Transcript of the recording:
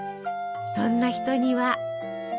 そんな人には。